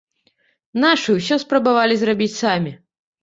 Нашы ўсё спрабавалі зрабіць самі.